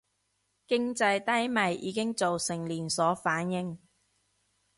經濟低迷已經造成連鎖反應